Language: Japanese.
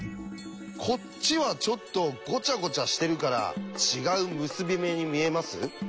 こっちはちょっとごちゃごちゃしてるから違う結び目に見えます？